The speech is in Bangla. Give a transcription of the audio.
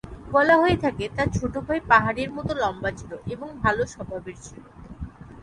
বলা হয়ে থাকে তার ছোট ভাই পাহাড়ের মত লম্বা ছিল এবং ভাল স্বভাবের ছিল।